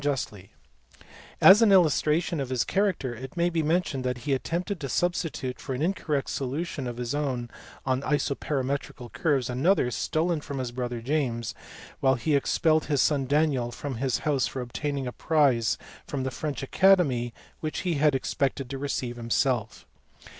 justly : as an illustration of his character it may be mentioned that he attempted to substitute for an incorrect solution of his own on isoperimetrical curves another stolen from his brother James, while he expelled his son Daniel from his house for obtaining a prize from the French Academy which he had expected to receive himself.